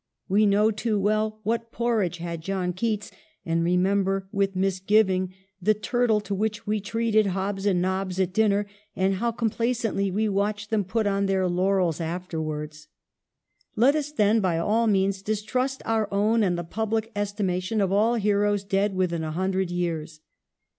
We know too well " what porridge had John Keats," and remember with misgiving the turtle to which we treated Hobbs and Nobbs at dinner, and how compla cently we watched them put on their laurels afterwards. Let us, then, by all means distrust our own and the public estimation of all heroes dead within a hundred years.